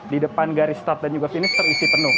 di depan garis start dan juga finish terisi penuh